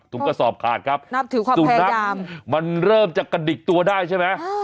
กระสอบขาดครับนับถือความสุนัขมันเริ่มจะกระดิกตัวได้ใช่ไหม